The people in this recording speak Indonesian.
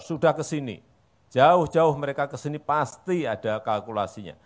sudah ke sini jauh jauh mereka ke sini pasti ada kalkulasinya